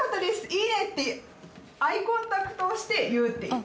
いいね！」ってアイコンタクトをして言うっていう。